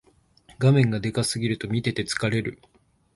画面がでかすぎると見てて疲れる